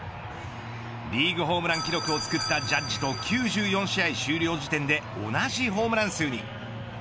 リーグホームラン記録を作ったジャッジと９４試合終了時点で同じホームラン数に。